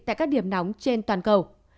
tại các điểm nóng trên toàn cầu